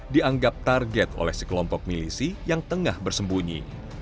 dianggap target oleh si kelompok milisi yang tengah bersembunyi